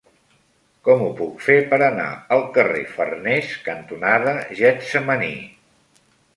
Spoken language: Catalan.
Com ho puc fer per anar al carrer Farnés cantonada Getsemaní?